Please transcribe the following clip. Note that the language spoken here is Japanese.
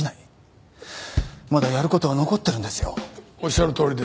まだやる事は残ってるんですよ。